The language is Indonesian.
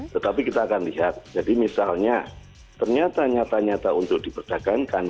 tetapi kita akan lihat jadi misalnya ternyata nyata nyata untuk diperdagangkan